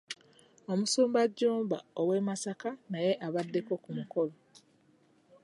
Omusumba Jjumba ow'e Masaka naye abaddeko ku mukolo.